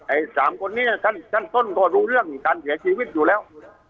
ไอ้สามคนนี้ฉันต้นตัวรู้เรื่องการเสียชีวิตอยู่แล้ว